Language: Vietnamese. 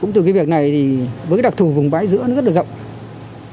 cũng từ cái việc này thì với cái đặc thù vùng bãi giữa nó rất là rộng